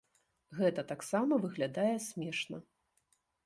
Гэта таксама выглядае смешна.